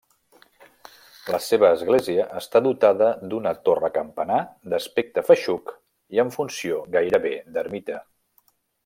La seva església està dotada d'una torre-campanar d'aspecte feixuc i amb funció gairebé d'ermita.